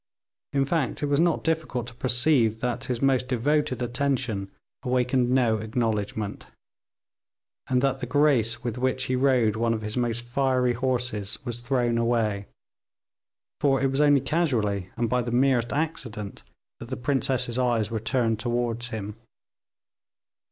In fact, it was not difficult to perceive that his most devoted attention awakened no acknowledgement, and that the grace with which he rode one of his most fiery horses was thrown away, for it was only casually and by the merest accident that the princess's eyes were turned towards him.